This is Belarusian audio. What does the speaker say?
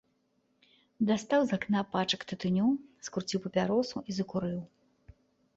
Дастаў з акна пачак тытуню, скруціў папяросу і закурыў.